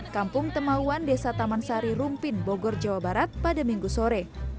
kampung temauan desa taman sari rumpin bogor jawa barat pada minggu sore